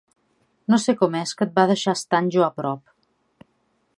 No sé com és que et va deixar estant jo a prop.